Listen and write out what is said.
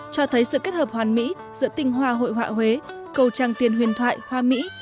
cho thấy sự kết hợp hoàn mỹ giữa tinh hoa hội họa huế cầu trang tiền huyền thoại hoa mỹ